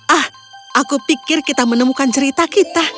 ah aku pikir kita menemukan cerita kita